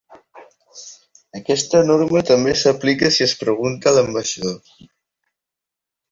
Aquesta norma també s'aplica si es pregunta a l'ambaixador.